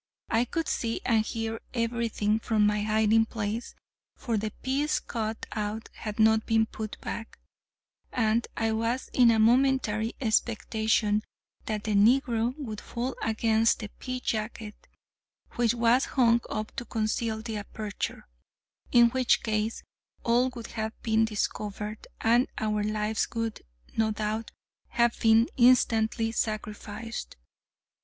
I could see and hear every thing from my hiding place, for the piece cut out had not been put back, and I was in momentary expectation that the negro would fall against the pea jacket, which was hung up to conceal the aperture, in which case all would have been discovered, and our lives would, no doubt, have been instantly sacrificed.